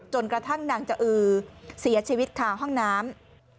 จนกระทั่งนางจะอือเสียชีวิตคาห้องน้ำ